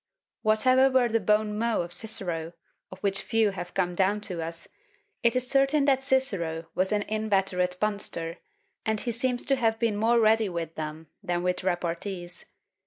Whatever were the bons mots of Cicero, of which few have come down to us, it is certain that Cicero was an inveterate punster; and he seems to have been more ready with them than with repartees.